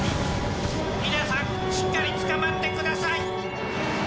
皆さんしっかりつかまってください。